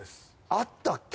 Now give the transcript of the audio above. あったっけ？